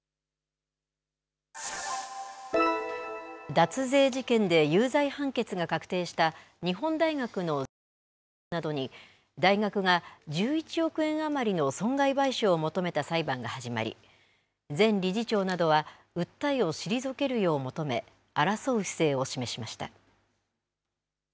脱税事件で有罪判決が確定した日本大学の前理事長などに、大学が１１億円余りの損害賠償を求めた裁判が始まり、前理事長などは訴えを退けるよう求め、争う姿勢を示しました。